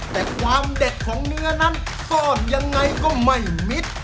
แต่ความเด็ดของเนื้อนั้นซ่อนยังไงก็ไม่มิด